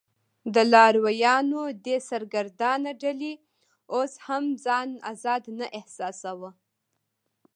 د لارویانو دې سرګردانه ډلې اوس هم ځان آزاد نه احساساوه.